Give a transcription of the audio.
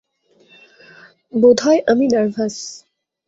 বোধহয় আমি নার্ভাস।